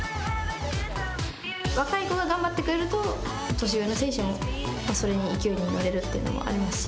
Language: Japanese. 若い子が頑張ってくれると、年上の選手もそれに勢いに乗れるというのもありますし。